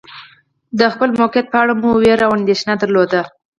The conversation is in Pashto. د خپل موقعیت په اړه مو وېره او اندېښنه درلوده.